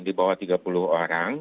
di bawah tiga puluh orang